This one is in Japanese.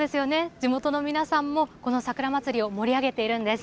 地元の皆さんも、この桜まつりを盛り上げているんです。